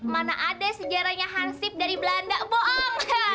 mana ada sejarahnya hansip dari belanda bohong